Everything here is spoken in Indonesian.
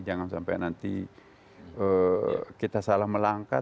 jangan sampai nanti kita salah melangkah